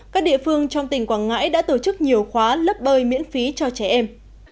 các địa phương trong tỉnh quảng ngãi đã tổ chức nhiều khóa lớp bơi miễn phí cho trẻ em